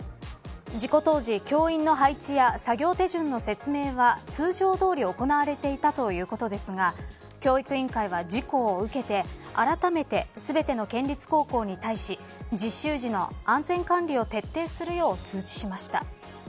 事故当時、教員の配置や作業手順の説明は通常どおり行われていたということですが教育委員会は事故を受けてあらためて全ての県立高校に対し実習時の安全管理を徹底するよう通知しました。